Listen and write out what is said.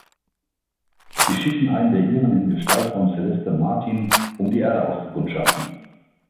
Sie schicken eine der Ihren in Gestalt von Celeste Martin, um die Erde auszukundschaften.